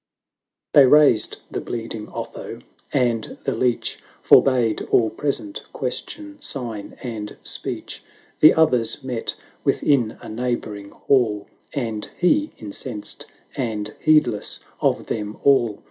They raised the bleeding Otho, and the Leech Forbade all present question, s.ign, and speech; The others met within a neighbouring hall. And he, incensed, and heedless of them all.